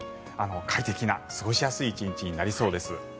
快適な過ごしやすい１日になりそうです。